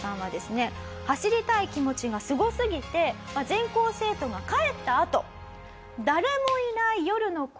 走りたい気持ちがすごすぎて全校生徒が帰ったあと。